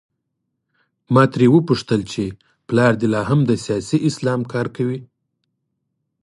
ما ترې وپوښتل چې پلار دې لا هم د سیاسي اسلام کار کوي؟